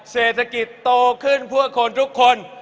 เศรษฐกิจโตขึ้นเพื่อคนทุกคน